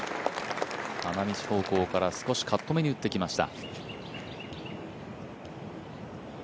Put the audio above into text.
花道方向から少しカット目に打ってきました。